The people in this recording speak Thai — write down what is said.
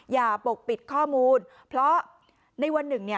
อย่าปกปิดข้อมูลเพราะในวันหนึ่งเนี่ย